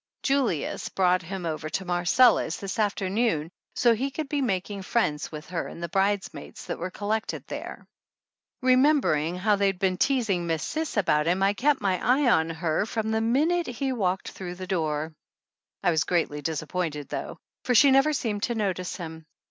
Julius brought him over to Marcella's this afternoon so he could be making friends with her and the bridesmaids that were collected there. Remembering how they had been teasing Miss Cis about him I kept my eye on her from the minute he walked through the door. I was greatly disappointed though, for she never seemed to notice him.